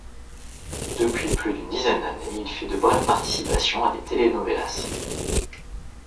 Depuis plus d'une dizaine d'années, il fait de brèves participations à des telenovelas.